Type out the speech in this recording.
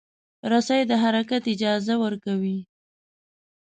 رسۍ د حرکت اجازه ورکوي.